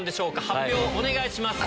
発表お願いします。